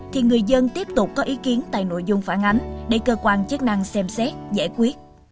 thì người dân tiếp tục có ý kiến tại nội dung phản ánh để cơ quan chức năng xem xét giải quyết